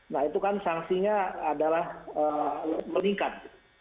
nah itu kan sanksinya adalah meningkat